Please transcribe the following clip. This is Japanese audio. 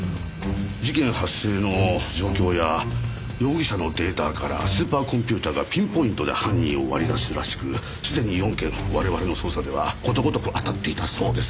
事件発生の状況や容疑者のデータからスーパーコンピューターがピンポイントで犯人を割り出すらしくすでに４件我々の捜査ではことごとく当たっていたそうです。